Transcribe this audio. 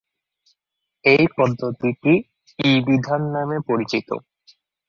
এই পদ্ধতিটি "ই-বিধান" নামে পরিচিত।